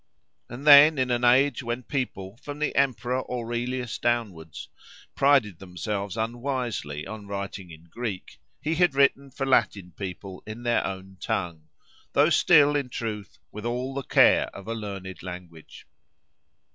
And then, in an age when people, from the emperor Aurelius downwards, prided themselves unwisely on writing in Greek, he had written for Latin people in their own tongue; though still, in truth, with all the care of a learned language.